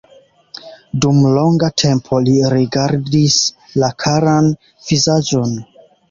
Dum longa tempo li rigardis la karan vizaĝon.